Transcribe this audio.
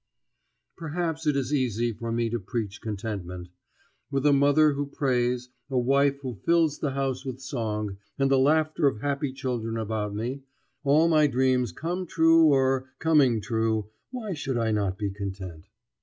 Perhaps it is easy for me to preach contentment. With a mother who prays, a wife who fills the house with song, and the laughter of happy children about me, all my dreams come true or coming true, why should I not be content?